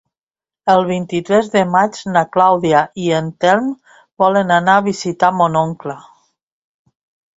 El vint-i-tres de maig na Clàudia i en Telm volen anar a visitar mon oncle.